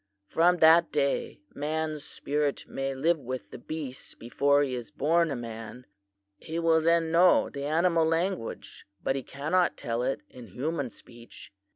From that day, man's spirit may live with the beasts before he is born a man. He will then know the animal language but he cannot tell it in human speech.